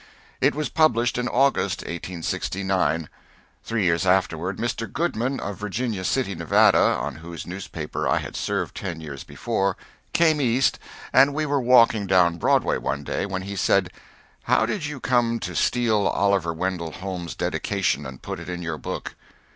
It was published in August, 1869. Three years afterward Mr. Goodman, of Virginia City, Nevada, on whose newspaper I had served ten years before, came East, and we were walking down Broadway one day when he said: "How did you come to steal Oliver Wendell Holmes's dedication and put it in your book?"